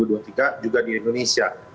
ya juga di indonesia